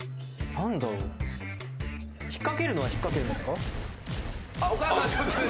引っかけるのは引っかけるんすか？